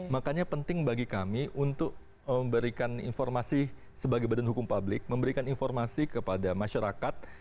makanya penting bagi kami untuk memberikan informasi sebagai badan hukum publik memberikan informasi kepada masyarakat